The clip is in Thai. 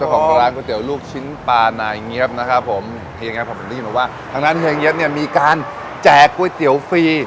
ก๋วยเตี๋ยวลูกชิ้นปลานายเงี๊ยบนะครับผมทางนั้นทางเงี๊ยบเนี่ยมีการแจกก๋วยเตี๋ยวฟรี